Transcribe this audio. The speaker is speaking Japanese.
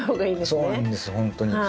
そうなんですほんとに。